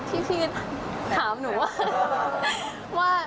พี่เทศถามหนูว่า